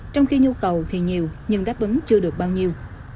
trong khi nhu cầu thì nhiều nhưng đáp ứng chưa được bao nhiêu